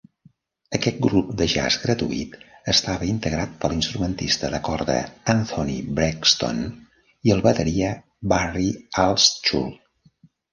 Aquest grup de jazz gratuït estava integrat pel instrumentista de corda Anthony Braxton i el bateria Barry Altschul.